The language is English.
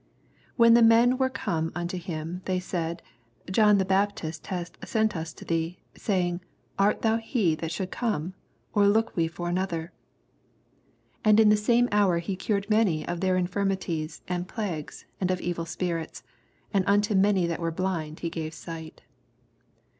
20 When the men were come unto him, they said, John Baptist hath sent us unto thee, saying, Art thou he that should come t or look we for another ? 21 And in the same hour he cured many of tkdr Infirmities and plagues and of evil spirits ; and unto many that were blind he gave sight.